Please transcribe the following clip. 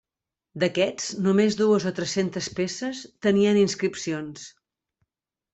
D'aquests, només dues o tres-centes peces tenien inscripcions.